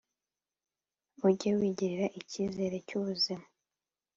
Ujye wigirira ikizere cyubuzima